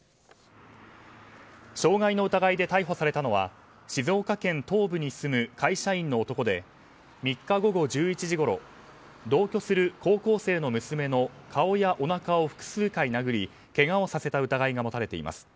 傷害の疑いで逮捕されたのは静岡県東部に住む会社員の男で３日午後１１時ごろ同居する高校生の娘の顔やおなかを複数回殴りけがをさせた疑いが持たれています。